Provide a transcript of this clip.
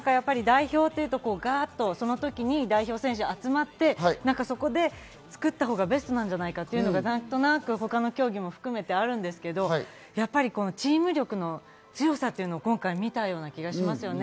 代表っていうと、その時に代表選手が集まって、そこで作ったほうがベストなんじゃないかっていうのが何となく他の競技も含めてあるんですけど、やっぱりチーム力の強さっていうのを今回、見たような気がします。